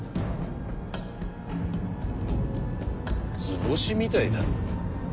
図星みたいだな。